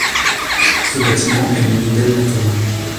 Ce bâtiment est muni d'ailes latérales.